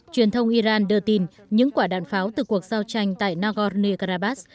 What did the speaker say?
truyền thông iran đưa tin những quả đạn pháo từ cuộc giao tranh tại nagorno karabakh